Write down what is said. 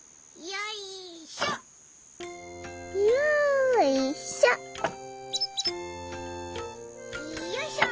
よいしょ！